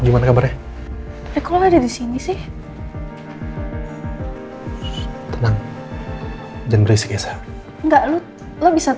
mikirin mereka yang mau nikah